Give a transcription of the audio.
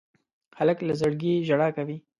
هلک له زړګي ژړا کوي.